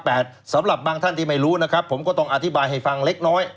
แต่สำหรับบางท่านที่ไม่รู้นะครับผมก็ต้องอธิบายให้ฟังเล็กน้อย